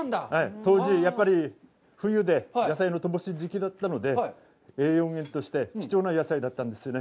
当時、やっぱり冬で野菜の乏しい時期だったので、栄養面として貴重な野菜だったんですよね。